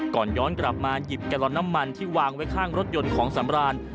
ก่อนย้อนกลับมาหยิบแกลลอนน้ำมันที่วางไว้ข้างรถยนต์ของสำราน